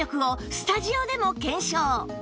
スタジオでも検証